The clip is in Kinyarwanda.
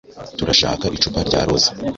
Turashaka icupa rya rosé.